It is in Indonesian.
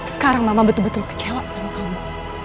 sekarang mama betul betul kecewa sama kamu